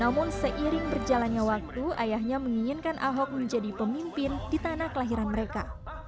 namun seiring berjalannya waktu ayahnya menginginkan ahok menjadi pemimpin di tanah kelahiran mereka